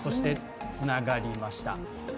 つながりました。